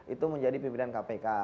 itu menjadi pimpinan kpk